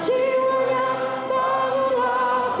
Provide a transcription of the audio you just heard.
terima kasih situ